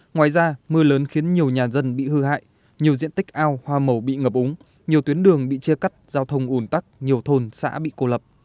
ngoài ra mưa lớn khiến nhiều nhà dân bị hư hại nhiều diện tích ao hoa màu bị ngập úng nhiều tuyến đường bị chia cắt giao thông ủn tắc nhiều thôn xã bị cô lập